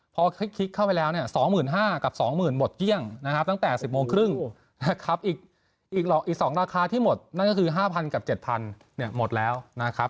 พอเข้าไปแล้วเนี่ยสองหมื่นห้ากับสองหมื่นหมดเกี้ยงนะครับตั้งแต่สิบโมงครึ่งนะครับอีกอีกหลอกอีกสองราคาที่หมดนั่นก็คือห้าพันกับเจ็ดพันเนี่ยหมดแล้วนะครับ